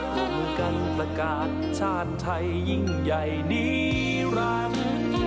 พวกมันกันประกาศชาติไทยยิ่งใหญ่นิรันดร์